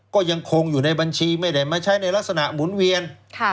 ก็ยังคงอยู่ในบัญชีไม่ได้มาใช้ในลักษณะหมุนเวียน